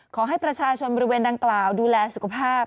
ขอให้ประชาชนบริเวณดังกล่าวดูแลสุขภาพ